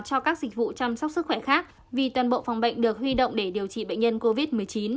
cho các dịch vụ chăm sóc sức khỏe khác vì toàn bộ phòng bệnh được huy động để điều trị bệnh nhân covid một mươi chín